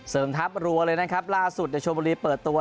ทัพรัวเลยนะครับล่าสุดชนบุรีเปิดตัว